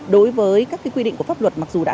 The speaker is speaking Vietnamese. đối với các quy định của pháp luật mặc dù đã